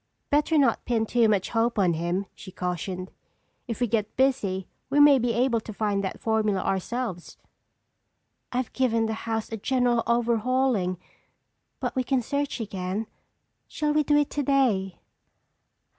"Better not pin too much hope on him," she cautioned. "If we get busy we may be able to find that formula ourselves." "I've given the house a general overhauling but we can search again. Shall we do it today?"